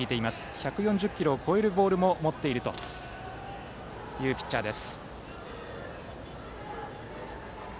１４０キロを超えるボールも持っているというピッチャーです。